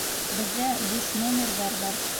Беҙҙә буш номерҙар бар.